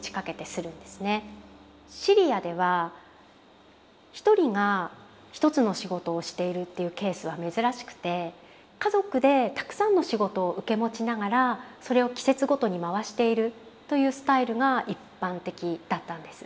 シリアでは１人が１つの仕事をしているというケースは珍しくて家族でたくさんの仕事を受け持ちながらそれを季節ごとに回しているというスタイルが一般的だったんです。